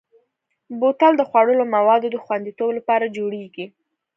بوتل د خوړلو موادو د خوندیتوب لپاره جوړېږي.